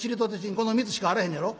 この３つしかあらへんねやろ？」。